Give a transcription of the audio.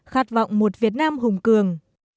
khát vọng một việt nam hùng cường